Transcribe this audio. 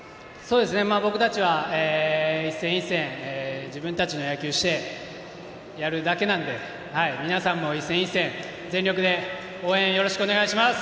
僕たちは、一戦一戦自分たちの野球してやるだけなので皆さんも一戦一戦、全力で応援よろしくお願いします。